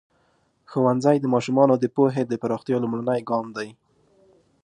ښوونځی د ماشومانو د پوهې د پراختیا لومړنی ګام دی.